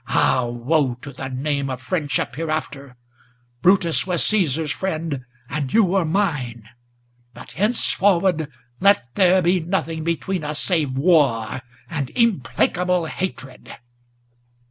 ah woe to the name of friendship hereafter! Brutus was Caesar's friend, and you were mine, but henceforward Let there be nothing between us save war, and implacable hatred!"